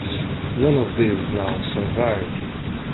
None of these now survive.